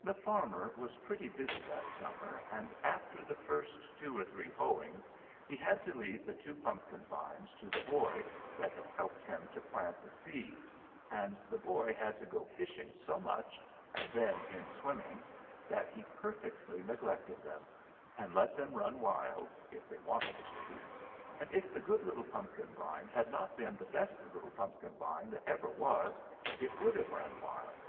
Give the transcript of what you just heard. "The farmer was pretty busy that summer, and after the first two or three hoeings he had to leave the two pumpkin vines to the boy that had helped him to plant the seed, and the boy had to go fishing so much, and then in swimming, that he perfectly neglected them, and let them run wild, if they wanted to; and if the good little pumpkin vine had not been the best little pumpkin vine that ever was, it would have run wild.